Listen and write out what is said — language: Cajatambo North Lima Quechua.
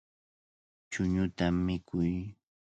Chuñuta mikuy.